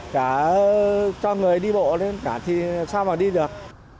cả cho người đi bộ lên cả thì sao mà đi được